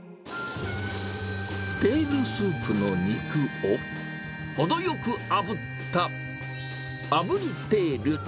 テールスープの肉を、程よくあぶったあぶりテール。